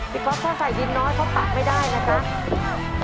ก๊อฟถ้าใส่ดินน้อยเพราะปากไม่ได้นะครับ